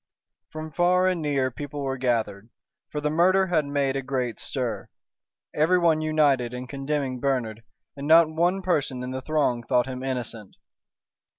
From far and near people were gathered, for the murder had made a great stir. Everyone united in condemning Bernard, and not one person in the throng thought him innocent.